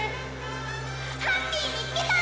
ハッピーみつけた！